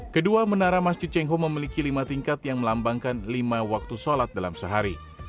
kedua menara masjid cengho memiliki lima tingkat yang melambangkan lima waktu sholat dalam sehari